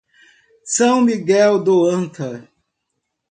São Miguel do Anta